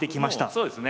そうですね。